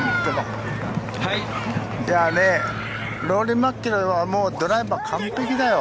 ローリー・マキロイはもうドライバー完璧だよ。